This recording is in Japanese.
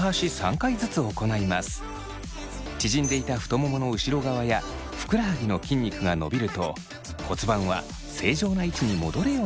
縮んでいた太ももの後ろ側やふくらはぎの筋肉が伸びると骨盤は正常な位置に戻るようになります。